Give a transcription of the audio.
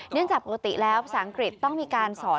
จากปกติแล้วภาษาอังกฤษต้องมีการสอน